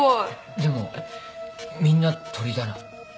でもみんな鳥だな。